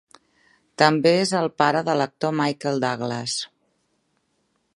També és el pare de l'actor Michael Douglas.